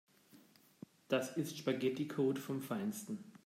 Das ist Spaghetticode vom Feinsten.